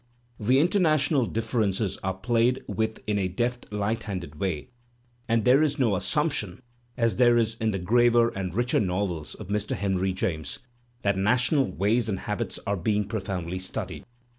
The international di£Ferences are played with in a deft light handed way, and there is no assumption, as there is in the graver and richer novels of Mr. Henry James, that national ways and habits are being profoundly studied.